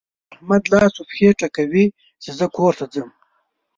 احمد لاس و پښې ټکوي چې کور ته ځم.